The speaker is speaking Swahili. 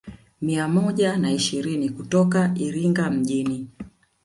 Mia moja na ishirini kutoka Iringa mjini